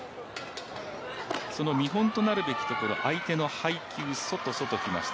その見本となるべきところ、相手の配球は外、外きました。